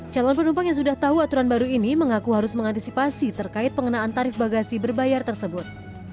calon penumpang yang sudah tahu aturan baru ini mengaku harus mengantisipasi terkait pengenaan tarif bagasi berbayar tersebut